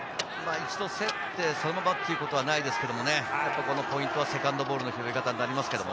一度、競って、奪ったことはないですけれど、ポイントはセカンドボールの拾い方になりま